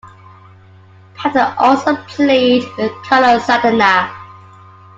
Pat has also played with Carlos Santana.